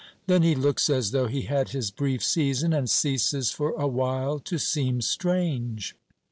Then he looks as though he had his brief season, and ceases for a while to seem strange.